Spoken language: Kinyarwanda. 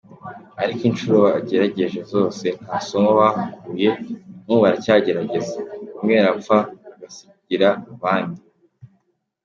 Ariko incuro bagerageje zose nta somo bahakuye, n’ubu baracyagerageza, bamwe barapfa bagasigira abandi.